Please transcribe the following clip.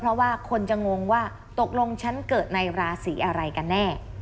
เพราะว่าคนจะงงว่าตกลงฉันเกิดในราศีอะไรกันแน่